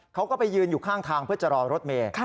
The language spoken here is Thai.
เขาก็ไปยืนอยู่ข้างทางเพื่อจะรอรถเมย์